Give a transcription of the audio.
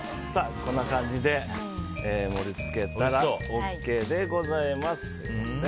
こんな感じで盛り付けたらＯＫでございます。